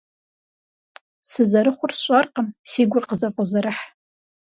Сызэрыхъур сщӀэркъым, си гур къызэфӀозэрыхь.